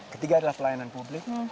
ketiga adalah pelayanan publik